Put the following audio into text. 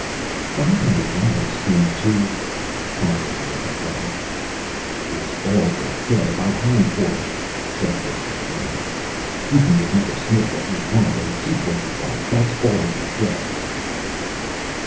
"Five hundred dollars seemed too " Philo began again. "It's all you'll get, if I hang for it," said Wixy firmly. "You can give Mother Smith what you want, and keep what you want. That's all you'll get."